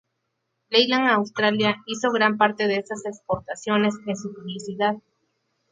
Leyland Australia hizo gran parte de estas exportaciones en su publicidad.